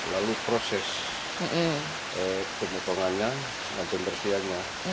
lalu proses pemotongannya dan pembersihannya